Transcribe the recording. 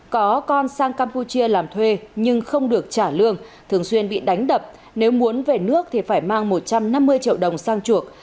có con sang campuchia làm thuê nhưng không được trả lương thường xuyên bị đánh đập nếu muốn về nước thì phải mang một trăm năm mươi triệu đồng sang chuộc